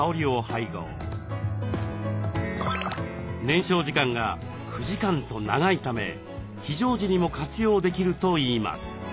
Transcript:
燃焼時間が９時間と長いため非常時にも活用できるといいます。